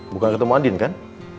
bukan ketemu andin kan